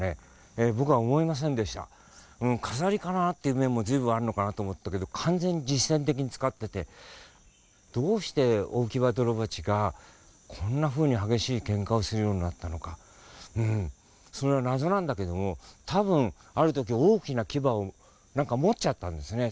「飾りかな？」っていう面も随分あるのかなと思ったけど完全に実戦的に使っててどうしてオオキバドロバチがこんなふうに激しいけんかをするようになったのかうんそれは謎なんだけども多分ある時大きなキバを何か持っちゃったんですね。